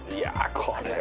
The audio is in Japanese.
これは。